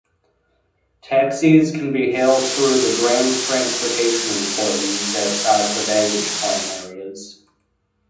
Taxis can be hailed through the Ground Transportation employees outside the baggage claim areas.